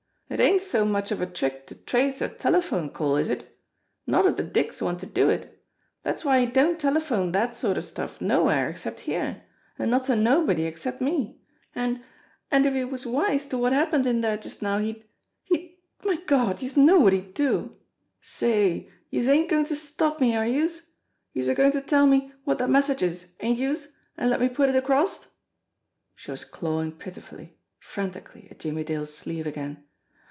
"It ain't so much of a trick to trace a telephone call, is it? Not if de dicks want to do it. Dat's why he don't telephone dat sort of stuff nowhere except here, an' not to nobody except me. An' an' if he was wise to wot happened in dere just now he'd he'd my Gawd, youse know wot he'd do ! Say, youse ain't goin' to stop me, are youse? Youse're goin' to tell me wot dat message is, ain't youse, an' let me put it acrost?" She was clawing pitifully, frantically at Jimmie Dale's sleeve again.